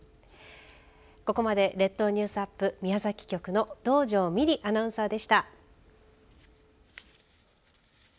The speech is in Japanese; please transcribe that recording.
ここまで列島ニュースアップ宮崎局の道上美璃アナウンサーでした。